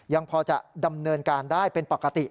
ยังพอจะดำเนินการได้เป็นปกติ